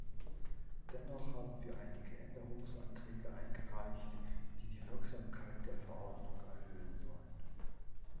Dennoch haben wir einige Änderungsanträge eingereicht, die die Wirksamkeit der Verordnung erhöhen sollen.